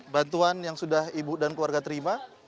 bantuan yang sudah ibu dan keluarga terima